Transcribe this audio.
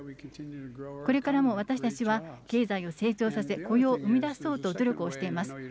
これからも私たちは経済を成長させ、雇用を生み出そうと努力をしています。